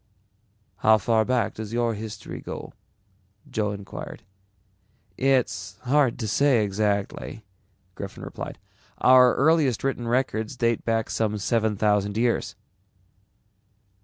"How far back does your history go?" Joe inquired. "It's hard to say exactly," Griffin replied. "Our earliest written records date back some seven thousand years."